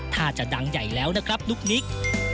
ถ้าจะดังใหญ่แล้วนะครับลูกนิก